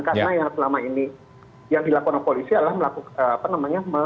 karena yang selama ini yang dilakukan oleh polisi adalah